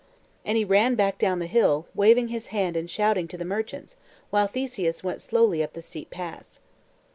And he ran back down the hill, waving his hand and shouting to the merchants, while Theseus went slowly up the steep pass.